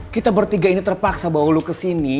kita bertiga ini terpaksa bawa lu kesini